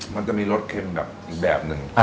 มันจะมีรสเค็มแบบอีกแบบหนึ่ง